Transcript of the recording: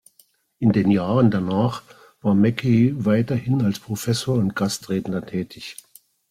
In den Jahren danach war Mackey weiterhin als Professor und Gastredner tätig.